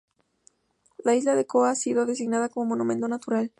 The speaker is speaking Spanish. La isla de Ko ha sido designada como monumento natural.